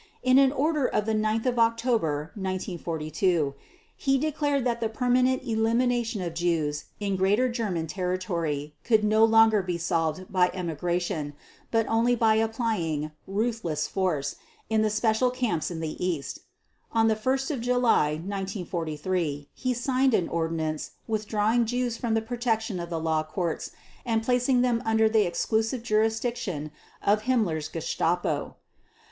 In an order of 9 October 1942 he declared that the permanent elimination of Jews in Greater German territory could no longer be solved by emigration, but only by applying "ruthless force" in the special camps in the East. On 1 July 1943 he signed an ordinance withdrawing Jews from the protection of the law courts and placing them under the exclusive jurisdiction of Himmler's Gestapo.